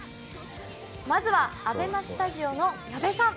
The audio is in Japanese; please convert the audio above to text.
まずはＡＢＥＭＡスタジオの矢部さん